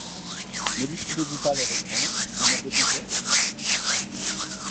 Ne lui trouvez-vous pas l'air étrange, un air de conquête ?